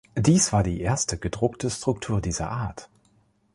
Dies war die erste gedruckte Struktur dieser Art.